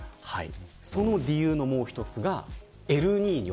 その理由のもう一つがエルニーニョ。